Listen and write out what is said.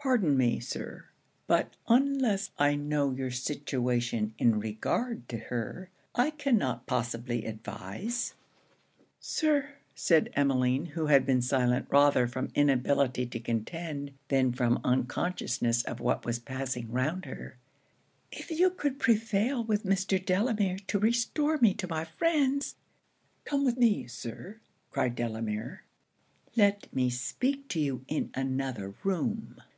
Pardon me, Sir; but unless I know your situation in regard to her, I cannot possibly advise.' 'Sir,' said Emmeline, who had been silent rather from inability to contend than from unconsciousness of what was passing round her 'if you could prevail with Mr. Delamere to restore me to my friends' 'Come with me, Sir,' cried Delamere; 'let me speak to you in another room.'